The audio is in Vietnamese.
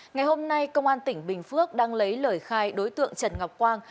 ngày hôm nay công an tỉnh bình phước đang lấy lời khai đối tượng trần ngọc quang